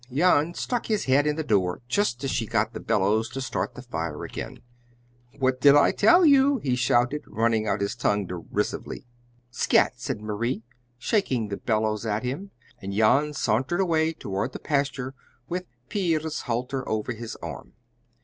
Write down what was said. Jan stuck hid head in the door, just as she got the bellows to start the fire again. "What did I tell you!" he shouted, running out his tongue derisively. "Scat!" said Marie, shaking the bellows at him, and Jan sauntered away toward the pasture with Pier's halter over his arm.